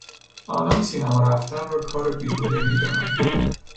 آنان سینما رفتن را کار بیهودهای میدانند.